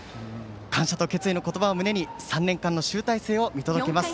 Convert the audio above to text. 感謝の決意の言葉を胸に３年生の集大成を見届けます。